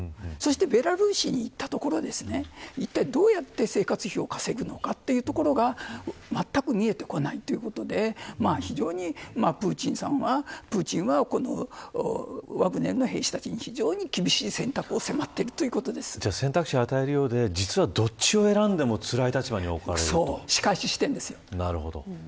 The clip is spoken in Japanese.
ベラルーシに行ったところでいったいどうやって生活費を稼ぐのかというところがまったく見えてこないということで非常に、プーチンはワグネルの兵士たちに非常に厳しい選択を選択肢を与えているようでどちらを選んでも厳しい立場なんですね。